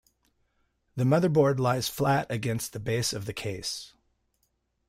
The motherboard lies flat against the base of the case.